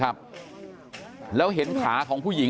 กลุ่มตัวเชียงใหม่